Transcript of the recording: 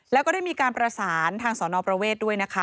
แล้วก็ได้มีการประสานทางสนประเวทด้วยนะคะ